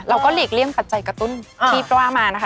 เราก็หลีกเลี่ยงกับใจกระตุ้นที่ปล่ามานะคะ